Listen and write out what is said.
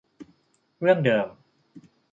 เรื่องเดิม